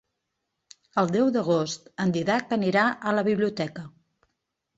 El deu d'agost en Dídac anirà a la biblioteca.